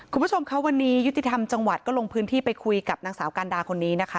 คุณผู้ชมค่ะวันนี้ยุติธรรมจังหวัดก็ลงพื้นที่ไปคุยกับนางสาวกันดาคนนี้นะคะ